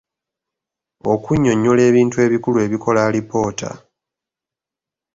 Okunnyonnyola ebintu ebikulu ebikola alipoota.